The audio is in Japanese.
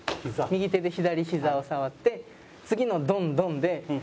右手で左ひざを触って次のドンドンで。